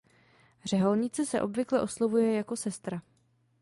Řeholnice se obvykle oslovuje jako „sestra“.